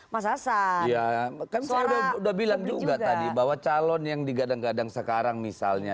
mas hasan kan saya udah bilang juga tadi bahwa calon yang digadang gadang sekarang misalnya